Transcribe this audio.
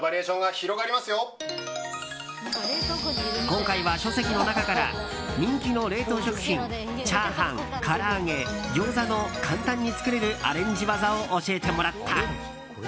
今回は、書籍の中から人気の冷凍食品チャーハン、から揚げギョーザの簡単に作れるアレンジ技を教えてもらった。